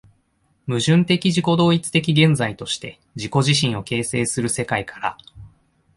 矛盾的自己同一的現在として自己自身を形成する世界から、